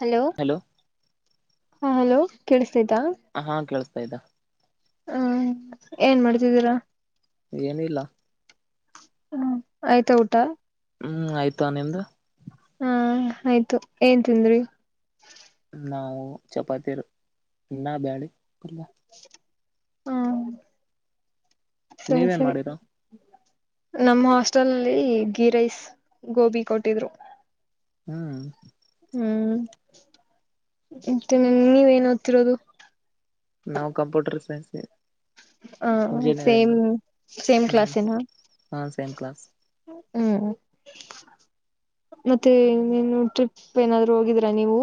Hello hello ಹಾ hello ಕೇಳಿಸತೈತಾ? ಹಾ ಕೇಳಿಸತಾ ಇದೇ ಹ್ಮ ಏನ್ ಮಾಡ್ತಿದ್ದೀರಾ? ಏನು ಇಲ್ಲ. ಹ್ಮ ಆಯ್ತಾ ಊಟ ಹ್ಮ್ ಆಯ್ತಾ. ನಿಮ್ದ? ಹಾ ಆಯ್ತು. ಏನ್ ತಿಂದ್ರಿ? ನಾವು ಚಪಾತಿರ್ ಅನ್ನ ಬ್ಯಾಳಿ ಪಲ್ಯ ಹ್ಮ ಸರಿ ನೀವೇನ್ ಸರಿ. ಮಾಡಿರ ನಮ್ಮ ಹಾಸ್ಟೆಲ್ಲ್ಲಿ ಗೀ ರೈಸ್ ಗೋಬಿ ಕೊಟ್ಟಿದ್ರು. ಹ್ಮ್. ಹ್ಮ್ ಮತ್ತೆ ನೀವೇನು ಓದುತ್ತಿರುವುದು. ನಾವು ಕಂಪ್ಯೂಟರ್ ಸೈನ್ಸ್. ಹ ಸೇಮ್ ಇಂಜಿನಿಯರಿಂಗ್ ಸೇಮ್ ಹ್ಮ್ ಕ್ಲಾಸ್ನಾ. ಹಾ ಸೇಮ್ ಕ್ಲಾಸ್ ಹ್ಮ್. ಮತ್ತೆ ಇನ್ನೇನುಟ್ರಿಪ್. ಟ್ರಿಪ್ ಏನಾದ್ರು ಹೋಗಿದ್ರಾ ನೀವು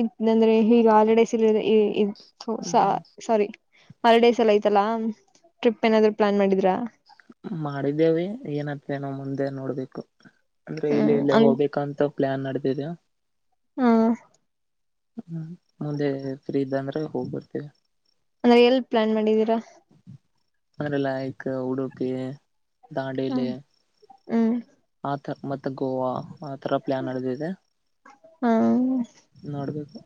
ಇದ ಅಂದ್ರೆ ಈಗ ಹಾಲಿಡೇಸ್ ಅಲ್ಲಿ. ತು ಹ್ಮ್ ಸ್ವಾರಿ ಹಾಲಿಡೇಸ್ ಐತಲ್ಲ ಟ್ರಿಪ್ ಏನಾದ್ರು ಪ್ಲಾನ್ ಮಾಡಿದ್ರಾ. ಮಾಡಿದ್ದೇವಿ ಏನತೇನೋ ಮುಂದೆ ನೋಡ್ಬೇಕು. ಅಂದ್ರೆ ಇಲ್ಲಿ ಇಲ್ಲ ಹ್ಮ್ ಹೋಗ್ಬೇಕಂತ ಪ್ಲಾನ್ ನಡೆದಿದೆ. ಹ್ಮ. ಹ್ಮ್ ಮುಂದೆ ಫ್ರೀ ಇದ್ದ ಅಂದ್ರೆ ಹೋಗ್ಬರ್ತೇವಿ. ಅಂದ್ರೆ ಎಲ್ಲಿ ಪ್ಲಾನ್ ಮಾಡಿದೀರಾ. ಅ್ರಲ್ಲಯಕ ಉಡುಪಿ ದಾಂಡೇಲಿ. ಹ್ಮ್. ಆಥ ಮತ್ತೆ ಗೋವಾ ಆಥರ ಪ್ಲಯಾನ್ ನಡದಿದೆ. ಹಾ. ನೋಡುಬೇಕು.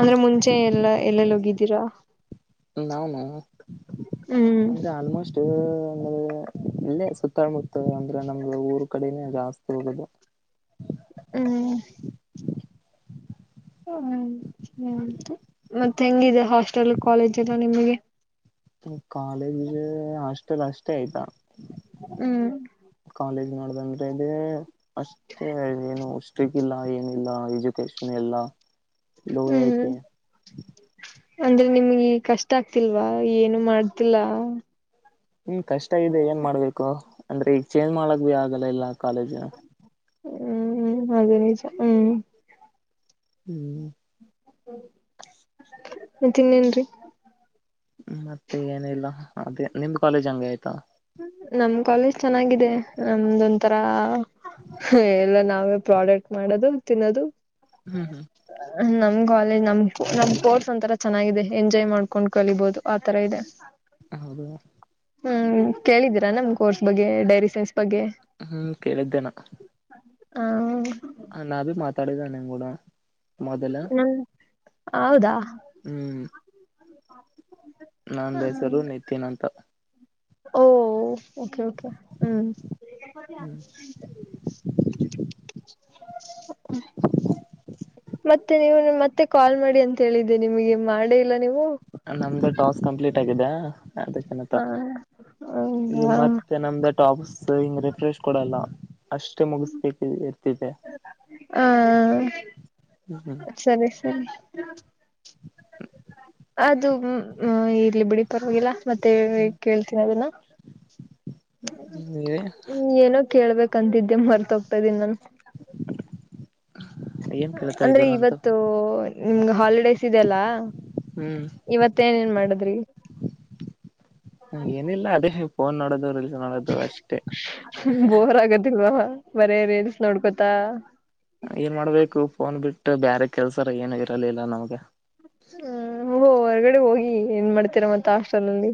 ಅಂದ್ರೆ ಮುಂಚೆ ಎಲ್ಲ ಎಲ್ಲೆಲ್ಲಿ ಹೋಗಿದ್ದೀರಾ. ನಾನ ಹ್ಮ್ ಅಂದ್ರೆ ಆಲ್ಮೋಸ್ಟ್. ಹ್ಮ ಇಲ್ಲೇ ಸುತ್ತಾ ಮುತ್ತ ಅಂದ್ರೆ ನಮ್ದ ಊರ್ ಕಡೆನೆ ಜಾಸ್ತಿ ಹೋಗೋದು. ಹ್ಮ್. ಹ್ಮ ಮತ್ತೆ ಹೆಂಗಿದೆ ಹಾಸ್ಟೆಲ್ ಕಾಲೇಜ್ ಎಲ್ಲ ನಿಮಗೆ. ಕಾಲೇಜ್ ಹಾಸ್ಟೆಲ್ ಅಷ್ಟೇ ಆಯ್ತಾ. ಹ್ಮ್. ಕಾಲೇಜ್ ನೋಡ್ದಂದ್ರೆ ಇಲ್ಲಿ ಅಷ್ಟ ಏನು ಅಷ್ಟಕ್ಕಿಲ್ಲ. ಹಾ ಏನಿಲ್ಲ ಎಜುಕೇಶನ್ ಎಲ್ಲ ಲೋ ಹ್ಮ್ ಐತಿ. ಅಂದ್ರೆ ನಿಮ್ಗೆ ಕಷ್ಟ ಆಗ್ತಿಲ್ವಾ ಏನು ಮಾಡ್ತಿಲ್ಲ. ಹ್ಮ್ ಕಷ್ಟ ಇದೆ ಏನ್ ಮಾಡ್ಬೇಕು ಅಂದ್ರೆ ಈಗ ಚೇಂಜ್ ಮಾಡ್ಕ್ ಬಿ ಆಗಲ್ಲ ಇಲ್ಲ ಕಾಲೇಜ್. ಹ್ಮ್ ಅದೇ ನಿಜ ಹ್ಮ್. ಹ್ಮ [unintelligible] ಮತ್ತ ಇನ್ನೇನ್ರೀ. ಮತ್ತೆ ಏನಿಲ್ಲ ಅದೇ ನಿಮ್ ಕಾಲೇಜ್ ಹಂಗೆ ಆಯ್ತಾ. ನಮ್ ಕಾಲೇಜ್ ಚೆನ್ನಾಗಿದೆ ನಮ್ದ ಒಂತರಾ. ಹ ಎಲ್ಲ ನಾವೇ ಪ್ರಾಡಕ್ಟ್ ಮಾಡದು ತಿನ್ನೋದು. ಹ್ಮ್ ಹ್ಮ್ ನಮ್ ಕಾಲೇಜ್ ನಮ್ ಸ್ಪೋರ್ಟ್ಸ್ ಒಂತರ ಚೆನ್ನಾಗಿದೆ ಎಂಜಾಯ್ ಮಾಡ್ಕೊಂಡ್ ಕಲಿಬೋದು ಆತರ ಇದೆ. ಹೌದು. ಹ್ಮ್ ಕೇಳಿದ್ದೀರಾ ನಮ್ ಕೋರ್ಸ್ ಬಗ್ಗೆ ಡೈರಿ ಸೈನ್ಸ್ ಬಗ್ಗೆ. ಹ್ಮ್ ಕೇಳಿದ್ದೇನಾ. ಹ್ಮ. [unintelligible] ನಾ ಭಿ ಮಾತಾಡಿದ ನಿನ್ ಗೂಡ ಮೊದಲ. ಹ್ಮ ಹೌದಾ. ಹ್ಮ್. ನಂದ ಹೆಸರು ನಿತಿನ್ ಅಂತ. ಓ ಓಕೆ ಓಕೆ ಹ್ಮ್. [inaudible] [inaudible] ಮತ್ತೆ ನೀವು ನಮಗೆ ಮತ್ತೆ ಕಾಲ್ ಮಾಡಿ ಅಂತ ಹೇಳಿದ್ದಿ ನಿಮಗೆ ಮಾಡೇ ಇಲ್ಲ ನೀವು. ನಮ್ಮದು [inaudible] ಟಾಸ್ ಕಂಪ್ಲೀಟ್ ಆಗಿದೆ. ಅದ ಚನತ್ತ ಹಾ ಈಗ ಹೌದಾ ಮತ್ತೆ ನಮ್ಮದ [inaudible] ಟಾಪ್ಸ್ [inaudible] ರಿಫ್ರೆಶ್ ಕೊಡಲ್ಲ ಅಷ್ಟೇ ಮುಗಿಸತ್ತಿದೆ ಇರ್ತಿದೆ. [inaudible] ಆ ಹ್ಮ್ ಸರಿ ಸರಿ. ಅದು ಹೂಂ ಇಲ್ಲಿ ಬಿಡಿ ಪರ್ವಾಗಿಲ್ಲ ಮತ್ತೆ ಹ್ಮ್ [inaudible] ಕೇಳ್ತೀನಿ ಅದನ್ನ. ನೀವೇ [inaudible] ಹ್ಮ್ ಏನೋ ಕೇಳಬೇಕಂತಿದ್ದೆ ಮರೆತು ಹೋಗ್ತಾ ಇದೀನಿ ನಾನು. ಏನ್ [inaudible] ಕೇಳ್ತಾ ಅಂದ್ರೆ ಇದ್ದೀರ ಅಂತ ಇವತ್ತು. ನಿಮಗ ಹಾಲಿಡೇಸ್ ಇದೆಲ್ಲ ಹ್ಮ್ ಇವತ್ತ ಏನೇನ್ ಮಾಡದ್ರಿ. [inaudible] ಏನಿಲ್ಲ ಅದೇ ಫೋನ್ ನೋಡೋದು ರೀಲ್ಸ್ ನೋಡೋದು ಅಷ್ಟೇ. [inaudible] ಬೋರ್ ಆಗದಿಲ್ವಾ ಬರೇ ರೀಲ್ಸ್ ನೋಡ್ಕೋತಾ. ಏನ್ ಮಾಡಬೇಕು ಫೋನ್ ಬಿಟ್ಟರ ಬ್ಯಾರೆ ಕೆಲಸರ ಏನು ಇರಲಿಲ್ಲ ನಮಗ. [inaudible] ಓ ಹೊರಗಡೆ ಹೋಗಿ ಏನ್ ಮಾಡ್ತೀರ ಮತ್ತ ಹಾಸ್ಟೆಲಲ್ಲಿ.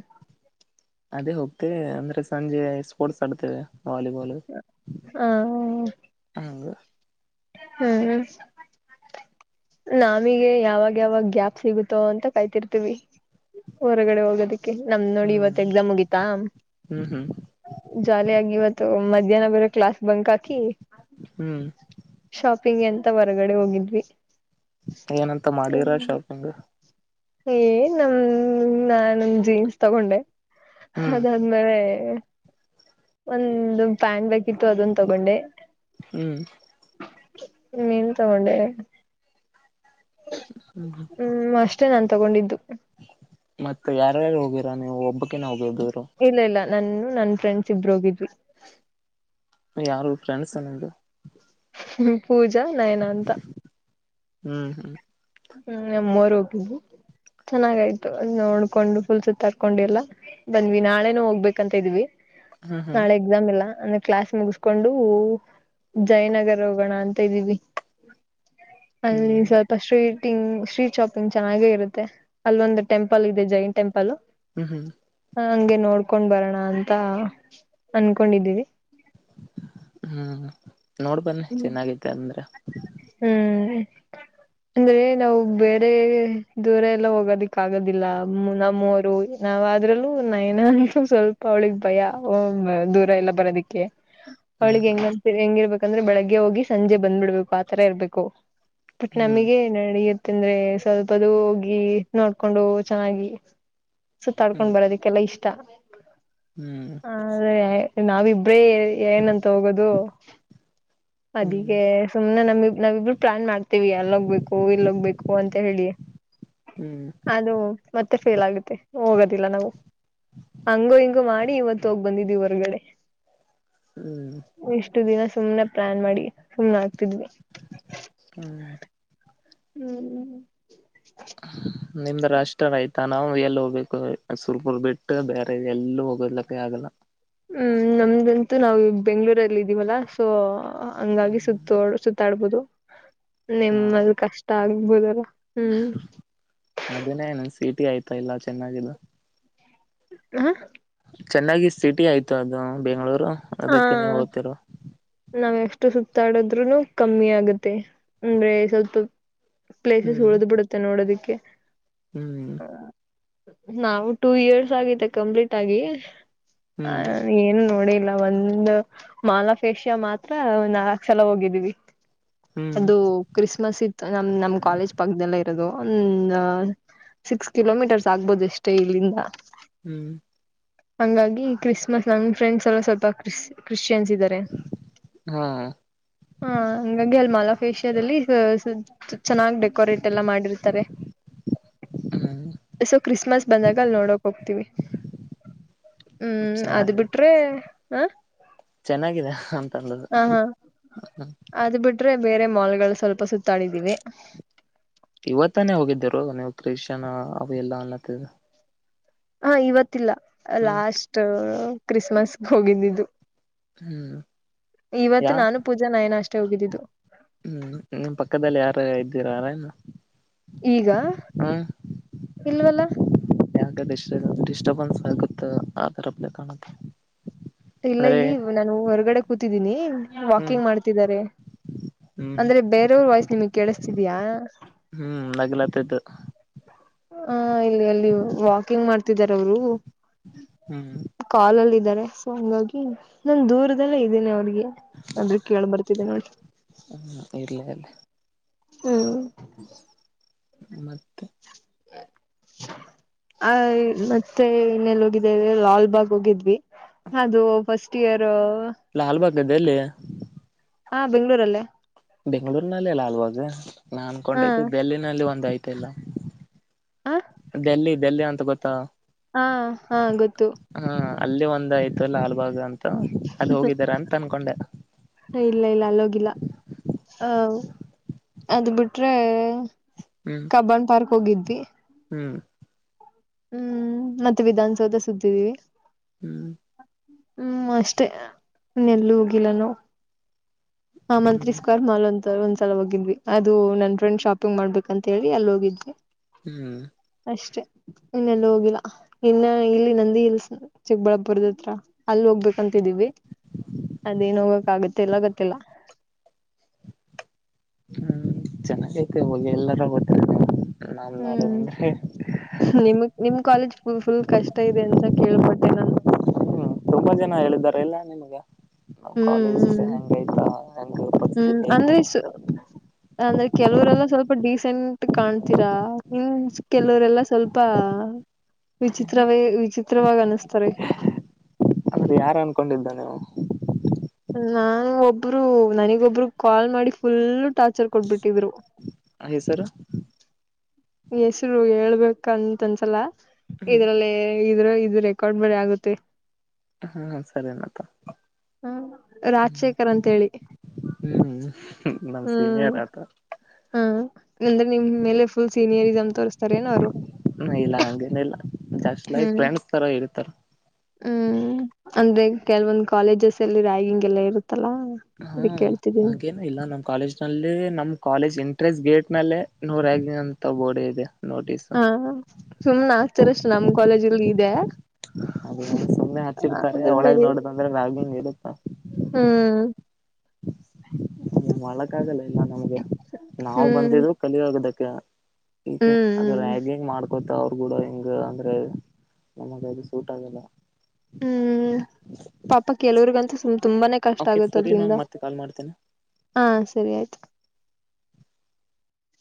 ಅದೇ ಹೋಗ್ತೇವೆ ಅಂದ್ರೆ ಸಂಜೆ ಸ್ಪೋರ್ಟ್ಸ್ ಆಡತ್ತೆವೆ ವಾಲಿಬಾಲ್. [inaudible] ಹ. ಹೌದು. [unintelligible] [inaudible] [unintelligible] [inaudible] ನಮಗೆ ಯಾವಾಗ ಯಾವಾಗ ಗ್ಯಾಪ್ ಸಿಗುತ್ತೋ ಅಂತ ಕಾಯ್ತಿರ್ತೀವಿ. ಹೊರಗಡೆ ಹೋಗೋದಿಕ್ಕೆ ನಮ್ಮದ ನೋಡಿ ಇವತ್ತ ಹ್ಮ್ ಎಕ್ಸಾಮ್ ಮುಗೀತಾ. ಹ್ಮ್ ಹ್ಮ್ [inaudible] ಜಾಲಿ ಆಗಿ ಇವತ್ತು ಮಧ್ಯಾಹ್ನ ಬೇರ ಕ್ಲಾಸ್ ಬಂಕ್ ಹಾಕಿ. ಹ್ಮ್. ಶಾಪಿಂಗ್ ಅಂತ ಹೊರಗಡೆ ಹೋಗಿದ್ವಿ. [inaudible] ಏನಂತ ಮಾಡಿರ ಶಾಪಿಂಗ್. ಏ ನಮ್ [inaudible] ನಾನು ಜೀನ್ಸ್ ತಗೊಂಡೆ. ಹ್ಮ್ ಅದಾದ್ಮೇಲೆ. [inaudible] ಒಂದು ಪ್ಯಾನ್ ಬೇಕಿತ್ತು ಅದನ್ನ ತೋಗೊಂಡೆ. ಹ್ಮ್. [inaudible] [inaudible] ನಿನ್ನೆ ತೋಗೊಂಡೆ. ಹ್ಮ ಹ್ಮ. [inaudible] ಹ್ಮ್ ಅಷ್ಟೇ ನಾನ್ ತಗೊಂಡಿದ್ದು. [inaudible] [inaudible] ಮತ್ತೆ ಯಾರ ಯಾರ ಹೋಗಿರಾ ನೀವು ಒಬ್ಬಕನೇ ಹೋಗೊದು ದೂರು. ಇಲ್ಲ ಇಲ್ಲ ನನ್ನು ನನ್ ಫ್ರೆಂಡ್ಸ್ ಇಬ್ಬರು ಹೋಗಿದ್ವಿ. ಯಾರು ಫ್ರೆಂಡ್ಸ್ ನಿಮ್ದು. [inaudible] ಹ್ಮ್. [unintelligible] ಪೂಜಾ ನಯನಾ ಅಂತ. ಹ್ಮ್. [unintelligible] ಹ್ಮ್ ನಿಮ್ಮ ಊರ ಹೋಗಿದ್ವಿ [inaudible] ಚೆನ್ನಾಗಾಯ್ತು ನೋಡ್ಕೊಂಡು ಫುಲ್ ಸುತ್ತಕೊಂಡ ಎಲ್ಲಾ. ಬಂದ್ವಿ ನಾಳೆನು ಹೋಗಬೇಕಂತ ಅದ್ವಿ ಹ್ಮ್ ಹ್ಮ್ [inaudible] ಹ್ಮ್ ನಾಳೆ ಎಕ್ಸಾಮ್ ಇಲ್ಲಾ ಆಯ್ತ. ಕ್ಲಾಸ್ ಮುಗಸ್ಕೊಂಡು ಜಯನಗರ್ ಹೋಗೋಣ ಅಂತ ಇದ್ದೀವಿ. ಅಲ್ಲಿ ಹ್ಮ್ ಸ್ವಲ್ಪ ಶ್ರೇ ಟಿಂಗ್ ಶ್ರೀ ಶಾಪಿಂಗ್ ಚೆನ್ನಾಗಿ ಇರುತ್ತೆ ಅಲ್ಲೊಂದು ಟೆಂಪಲ್ ಇದೆ ಜೈನ್ ಟೆಂಪಲ್. ಹ್ಮ್ ಹ್ಮ್. ಹ ಹಂಗೆ ನೋಡ್ಕೊಂಡ ಬರೋಣ ಅಂತ ಅನ್ಕೊಂಡಿದ್ದೀವಿ. ಹ್ಮ ನೋಡ್ ಬನ್ನಿ ಚೆನ್ನಾಗಿದ್ದ ಅಂದ್ರ ಹ್ಮ ಅಂದ್ರೆ ನಾವು ಬೇರೆ ದೂರ ಎಲ್ಲ ಹೋಗೋದಿಕ್ಕ ಆಗೋದಿಲ್ಲ ನಮ್ಮವರು ನಾವ ಆದ್ರಲ್ಲೂ ನೈನ ಅಂದೂ ಸ್ವಲ್ಪ ಅವ್ಳಗ ಭಯ ದೂರ ಎಲ್ಲ ಬರೋದಿಕ್ಕ ಹ್ಮ್ ಅವಳಿಗೆ ಹೆಂಗಂತ ಹೆಂಗಿರ್ಬೇಕಂದ್ರೆ ಬೆಳಗ್ಗೆ ಹೋಗಿ ಸಂಜೆ ಬಂದ್ಬಿಡ್ಬೇಕು ಆತರ ಇರ್ಬೇಕು. ಬಟ್ ಹ್ಮ್ ನಮಗ ನಡಿಯತ್ತ ಅಂದ್ರೆ ಸ್ವಲ್ಪದು ಹೋಗಿ ನೋಡ್ಕೊಂಡು ಚೆನ್ನಾಗಿ ಸುತ್ತಾಡ್ಕೊಂಡ ಹ್ಮ್ ಹ್ಮ್ ಬರೋದಿಕ್ಕೆಲ್ಲ ಇಷ್ಟ ಹ್ಮ್ ಅ ನಾವಿಬ್ರೇ ಏನಂತ ಹೋಗೋದು. ಹ್ಮ್ ಅದಿಗೆ ಸುಮ್ನೆ ನಮಿಗ್ ನಾವಿಬ್ರು ಪ್ಲಾನ್ ಮಾಡ್ತೀವಿ ಅಲ್ಲೋಗ್ಬೇಕು ಇಲ್ಲೋಗ್ಬೇಕು ಅಂತ ಹೇಳಿ. [inaudible] ಹ್ಮ ಅದು ಮತ್ತೆ ಫೇಲ್ ಆಗುತ್ತೆ ಹೋಗೋದಿಲ್ಲ ನಾವು. ಹಂಗೋ ಹಿಂಗೋ ಮಾಡಿ ಇವತ್ತು ಹೋಗಿ ಬಂದಿದ್ದೀ ಹೊರ್ಗಡೆ. ಹ್ಮ ಇಷ್ಟ ದಿನ ಸುಮ್ನೆ ಪ್ಲಾನ್ ಮಾಡಿ ಸುಮ್ನ ಆಕ್ತಿದ್ವಿ. ಹ್ಮ ಹ್ಮ ನಿಮ್ದರ ಅಷ್ಟರ ಆಯ್ತ ನಾವ ಎಲ್ಲಿ ಹೋಗ್ಬೇಕು ಸುರ್ಪುರ್ ಬಿಟ್ಟು ಬೇರೆ ಎಲ್ಲೂ ಹೋಗ್ಲಕ್ಕೆ ಆಗಲ್ಲ. ಹ್ಮ ನ ನಮ್ದಂತೂ ನಾವು ಬೆಂಗ್ಗಳೂರಲ್ಲಿ ಇದ್ದೀವಲ್ಲ ಸೊ ಹಂಗಾಗಿ ಸುತ್ತ ಸುತ್ತಾಡ್ಬದು. ಹ್ಮ ನಿಮ್ಮದ ಕಷ್ಟ ಆಗ್ಬೋದಲ್ಲ ಹ್ಮ ಅದನೇ ನಂದ ಸೀಟಿ ಆಯ್ತಾ ಇಲ್ಲಾ ಚೆನ್ನಿದ್ದು ಹ ಚೆನ್ನಾಗಿ ಸಿಟಿ ಆಯ್ತು ಅದು ಬೆಂಗಳೂರು ಅದಕ್ಕ ಹೋಗ್ತಿರು. ನಾವ ಎಷ್ಟು ಸುತ್ತಾಡದ್ರುನು ಕಮ್ಮಿ ಆಗುತ್ತೆ ಅಂದ್ರೆ ಸುತ್ತು ಪ್ಲೇಸಸ್ ಉಳಿದ ಬಿಡತ್ತೆ ನೋಡೋದಿಕ್ಕೆ ಹ್ಮ ನಾವು ಟೂ ಇಯರ್ಸ್ ಆಗಿದೆ ಕಂಪ್ಲೀಟ್ ಆಗಿ. ಹ್ಮ್ ಏನ್ ನೋಡೇ ಇಲ್ಲ. ಒಂದ ಮಾಲಫೇಶಿಯ ಮಾತ್ರ ನಾಲ್ಕ ಸಲ ಹೋಗಿದ್ದೀವಿ. ಹ್ಮ್ ಅದು ಕ್ರಿಸ್ಮಸ್ ಇತ್ತ ನಮ ನಮ್ ಕಾಲೇಜ್ ಪಕ್ಕದೆಲ್ಲ ಇರೋದು ಒಂದ ಸಿಕ್ಸ್ ಕಿಲೋಮೀಟರ್ಸ್ ಆಗ್ಬೋದು ಎಷ್ಟೇ ಇಲ್ಲಿಂದ ಹ್ಮ ಹಂಗಾಗಿ ಕ್ರಿಸ್ಮಸ್ ನಮ ಫ್ರೆಂಡ್ಸ್ ಎಲ್ಲ ಸ್ವಲ್ಪ ಕ್ರಿಸ ಕ್ರಿಶ್ಚಿಯನ್ಸ್ ಇದ್ದಾರ. ಹಾ ಹ ಹಂಗಾಗಿ ಅಲ್ಲಿ ಮಾಲ್ ಆಫ್ ಎಶಿಯದಲ್ಲಿ ಅ ಸು ಚೆನ್ನಾಗ ಡೆಕೋರೇಟ್ ಎಲ್ಲ ಮಾಡಿರ್ತಾರೆ. ಹ್ಮ್ ಸೊ ಕ್ರಿಸ್ಮಸ್ ಬಂದಾಗ ಅಲ್ಲ ನೋಡಕ ಹೋಗ್ತೀವಿ. ಹ್ಮ ಅದ್ ಬಿಟ್ರೆ ಹ ಚೆನ್ನಾಗಿದ ಅಂತ ಅನ್ನದು. ಅದ ಬಿಟ್ರೆ ಬೇರೆ ಮಾಲ್ಗಳ ಸ್ವಲ್ಪ ಸುತ್ತಾಡಿದಿವಿ. ಇವತ್ತಾನೇ ಹೋಗಿದ್ದರು ನೀವು ಕ್ರಿಶ್ಚಿಯನ್ ಅವೆಲ್ಲ ಅನ್ನತ್ತ ಹಾ ಇವತ್ತಿಲ್ಲ ಹ್ಮ್ ಲಾಸ್ಟ್ ಕ್ರಿಸ್ಮಸ್ಗ ಹೋಗಿದ್ದಿದ್ದು ಹ್ಮ್ ಯಾ ಇವತ್ತ ನಾನು ಪೂಜಾ ನಯನ ಅಷ್ಟೇ ಹೋಗಿದ್ದಿದ್ದು. ಹ್ಮ್ ನಿಮ್ಮ್ ಪಕ್ಕದಲ್ಲಿ ಯಾರ ಇದ್ದೀರ ಈಗ ಇಲ್ವಲ್ಲ? [unintelligible] ಡಿಸ್ಟರ್ಬನ್ಸ್ ಆಗುತ್ತ ಆ ರಪ್ಲೆ ಕಾಣುತ್ತೆ ಇಲ್ಲ ಅಂದ್ರೆ ಇಲ್ಲಿ ನಾನು ಹೊರ್ಗಡೆ ಕೂತಿದ್ದೀನಿ. ಹ್ಮ್ ವಾಕಿಂಗ್ ಮಾಡ್ತಿದ್ದಾರೆ. ಹ್ಮ್ ಅಂದ್ರೆ ಬೇರೆಯವರು ವಾಯ್ಸ್ ನಿಮಗ್ ಕೇಳಿಸತಿದಯಾ? ಹ್ಮ್ ನಗಲತದ್ದು [unintelligible] ಹ ಇಲ್ಲಿ ಅಲ್ಲಿ ವಾಕಿಂಗ್ ಮಾಡ್ತಿದಾರೆ ಅವರು. ಹ್ಮ್ ಕಾಲ್ ಅಲ್ಲಿ ಇದಾರೆ ಸೊ ಹಂಗಾಗಿ ನಾನ ದೂರದಲ್ಲೇ ಇದ್ದೇನೆ ಅವ್ರಿಗೆ ಅಂದ್ರು ಕೇಳ ಬರ್ತಿದ್ದೆ ನೋಡಿ ಹ್ಮ್ ಇರ್ಲಿ ಇರ್ಲಿ ಹ್ಮ್ ಮತ್ತು [unintelligible] [inaudible] ಆ ಮತ್ತೆ ಇನ್ನೆಲ್ಲಿ ಹೋಗಿದೆ ಅಂದ್ರೆ ಲಾಲ್ಬಾಗ್ ಹೋಗಿದ್ವಿ ಅದು ಫಸ್ಟ್ ಇಯರು ಲಾಲ್ಬಾಗ್ ಅದೆಲ್ಲಿ ಹಾ ಬೆಂಗ್ಗಳೂರಲ್ಲೇ. ಬೆಂಗಳೂರ್ನಲ್ಲಿ ಲಾಲ್ಭಾಗ ನಾನ್ ಹ ಅನ್ಕೊಂಡಿದ್ದು ಡೆಲ್ಲಿನಲ್ಲಿ ಒಂದ ಆಯ್ತ ಇಲ್ಲ ಹಾ ಡೆಲ್ಲಿ ಡೆಲ್ಲಿ ಅಂತ ಗೊತ್ತಾ? ಹಾ ಹಾ ಗೊತ್ತು. ಹ್ಮ ಅಲ್ಲೇ ಒಂದಯ್ತುತೆ ಲಾಲ್ಬಾಗ ಅಂತ ಅಲ್ಲಿ ಹೋಗಿದ್ದಾರ ಅಂತ ಅನ್ಕೊಂಡೆ. ಹೇ ಇಲ್ಲ ಇಲ್ಲ ಅಲ್ಲೋಗಿಲ್ಲ ಹ ಅದು ಬಿಟ್ರೆ ಅದ್ ಬಿಟ್ರೆ ಹ್ಮ್ ಕಬ್ಬಾನ್ ಪಾರ್ಕ್ ಹೋಗಿದ್ವಿ ಹ್ಮ್ ಹ್ಮ್ ಮತ್ತೆ ವಿಧಾನಸೌದ ಸುತ್ತಿದ್ದೀವಿ. ಹ್ಮ್ ಹ್ಮ್ ಅಷ್ಟೆ ಇನ್ ಎಲ್ಲೊ ಹೋಗಿಲ್ಲಾ ನಾವು ಹಾ ಮಂತ್ರಿ ಹ್ಮ್ ಸ್ಕ್ವರ್ ಮಾಲ್ ಅಂತ ಒಂದ್ಸಲ ಹೋಗಿದ್ವಿ. ಅದು ನನ್ ಫ್ರೆಂಡ್ ಶಾಪಿಂಗ್ ಮಾಡ್ಬೇಕ ಅಂತ ಹೇಳಿ ಅಲ್ಲಿ ಹೋಗಿದ್ವಿ. [inaudible] ಹ್ಮ್ ಅಷ್ಟೆ ಇನ್ನೆಲ್ಲು ಹೋಗಿಲ್ಲ? ಇನ್ನ ಇಲ್ಲಿ ನಂದಿ ಹಿಲ್ಸ್ ಚಿಕ್ಕಬಳ್ಳಾಪುರದ ಹತ್ರ ಅಲ್ಲಿ ಹೋಗ್ಬೇಕಂತಿದೀವಿ. ಅದೇನ್ ಹೋಗಕ್ ಆಗತ್ತೆ ಇಲ್ಲ ಗೋತ್ತಿಲ್ಲಾ? ಹ್ಮ್ ಚೆನ್ನಾಗೈತೆ ಹೋಗಿ ಎಲ್ಲಾರ ಗೊತ್ತ ನಾ ನೋಡದಂದ್ರೆ [unintelligible] ನಿಮಗ್ ನಿಮ್ ಕಾಲೇಜ್ ಫುಲ್ ಫುಲ್ ಕಷ್ಟ ಇದೆ ಅಂತ ಕೇಳ್ಪಟ್ಟೆ ನಾನು ಹ್ಮ್ ತುಂಬಾ ಜನ ಹೇಳಿದಿದ್ದಾರೆ ಎಲ್ಲ ನಿಮ್ಗೆ? ನಾವ್ ಹ್ಮ್ ಕಾಲೇಜ್ ಹ್ಮ್ ಹೆಂಗ ಆಯ್ತಾ ಹೆಂಗ ಪರಿಸ್ಥಿತಿ [unintelligible] ಹ [inaudible] ಅಂದ್ರೆ ಕೆಲವರೆಲ್ಲ ಸ್ವಲ್ಪ ಡೀಸೆಂಟ್ ಕಾಣ್ತೀರಾ ಇನ್ ಕೆಲವರೆಲ್ಲ ಸ್ವಲ್ಪಾ.... ವಿಚಿತ್ರವೇ ವಿಚಿತ್ರವಾಗಿ ಅನಿಸ್ತಾರೆ. ಅಂದ್ರೆ ಯಾರ್ ಅನ್ಕೊಂಡಿದ್ದನೇ ಆವಾ ನಾನು ಒಬ್ರು ನನಗ ಒಬ್ಬರು ಕಾಲ್ ಮಾಡಿ ಫುಲ್ ಟಾರ್ಚರ್ ಕೊಟ್ಬಿಟ್ಟಿದ್ರು ಹ ಹೆಸರು? ಹೆಸರು ಹೇಳ್ಬೇಕಂತ ಅನ್ಸಲ್ಲ ಹ್ಮ್ ಇದ್ರಲ್ಲಿ. ಇದ್ರ ಇದು ರೆಕಾರ್ಡ್ ಬೇರೆ ಆಗುತ್ತೆ ಹ್ಮ ಸರಿನಪ್ಪ ಹ್ಮ ರಾಜಶೇಖರ್ ಅಂತ ಹೇಳಿ ಹ್ಮ್ ನಮ್ ಸೀನಿಯರ್ ಆತ ಹಾ ಅಂದ್ರೆ ನಿಮ್ ಮೇಲೆ ಫುಲ್ ಸೀನಿಯರಿರ್ಸಮ್ ತೋರ್ಸ್ತಾರ ಏನ ಅವ್ರು ಹ ಇಲ್ಲ ಹಂಗೇನ ಇಲ್ಲ ಜಸ್ಟ್ ಲೈಕ್ ಹ್ಮ್ ಫ್ರೆಂಡ್ಸಸ್ತಾರ ಇರ್ತಾರ ಹ್ಮ್ ಅಂದ್ರೆ ಕೆಲ್ವೊಂದ್ ಕಾಲೇಜಸ್ ಎಲ್ಲಿ ರಗಿಂಗ್ ಎಲ್ಲ ಇರುತ್ತಲ್ಲ ಹ್ಮ ಅದಕ್ಕೆ ಕೇಳ್ತಿದ್ದೀನಿ ಹಗೆಂ ಇಲ್ಲ ನಮ್ ಕಾಲೇಜ್ ನಲ್ಲಿ ನಮ್ ಕಾಲೇಜ್ ಎಂಟ್ರೆನ್ಸ್ ಗೇಟ್ ನಲ್ಲೇ ನೋ ರಗಿಂಗ್ ಅಂತ ಬೋರ್ಡ್ ಇದೆ ನೋಟಿಸ್ ಹಾ ಸುಮ್ನೆ ಆಗ್ತಾರ ಅಷ್ಟ ನಮ್ ಕಾಲೇಜಲ್ ಇದೆ ಅದ ಸುಮ್ಮನೆ ಹಚ್ಚಿರ್ತಾರೆ ಅದ್ರ ಒಳಗ್ ನಡಿ ನೋಡದಂದ್ರೆ ರಗಿಂಗ್ ಇರುತ್ತಾ ಹ್ಮ್ ಮೊಳಕ ಆಗಲ್ಲ ಇಲ್ಲ ನಮ್ಗೆ ನಾವು ಹ್ಮ್ ಬಂದಿದು ಕಲಿಯಾಗದಕ್ಕೆ ಈ ಅದು ಹ್ಮ್ ಹ್ಮ್ ರಗಿಂಗ್ ಮಾಡ್ ಗತಾ ಅವ್ರರುಗೂಡ ಹಿಂಗ ಅಂದ್ರೆ ನಮಗ ಅದು ಸೂಟ್ ಆಗಲ್ಲ ಹ್ಮ್ ಪಾಪ ಕೆಲವ್ರಗಂತ್ ತುಂಬಾನ ಕಷ್ಟ ಓಕೆ ಆಗತ್ತ ಸರಿ ನಾನ್ ಅದ್ರಿಂದ ಮತ್ತೆ ಕಾಲ್ ಮಾಡ್ತೇನೆ. ಹಾ ಸರಿ ಆಯ್ತು